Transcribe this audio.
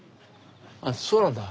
あっそうなんだ。